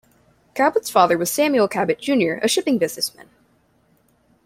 Cabot's father was Samuel Cabot Junior a shipping businessman.